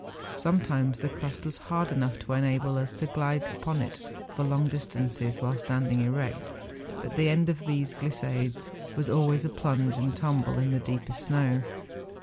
Sometimes the crust was hard enough to enable us to glide upon it for long dis¬ tances while standing erect; but the end of these glissades was always a plunge and tumble in the deeper snow.